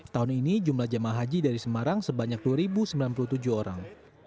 tahun ini jumlah jemaah haji dari semarang sebanyak dua sembilan puluh tujuh orang